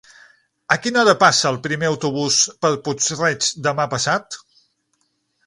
A quina hora passa el primer autobús per Puig-reig demà passat?